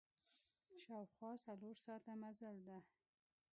شاوخوا څلور ساعته مزل ده.